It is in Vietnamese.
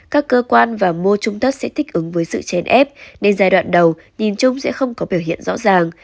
các cơ quan và mô trung thất sẽ thích ứng với sự chén ép nên giai đoạn đầu nhìn chung sẽ không có biểu hiện rõ ràng